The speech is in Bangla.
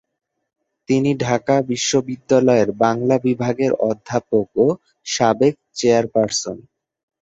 তিনি ঢাকা বিশ্ববিদ্যালয়ের বাংলা বিভাগের অধ্যাপক ও সাবেক চেয়ারপার্সন।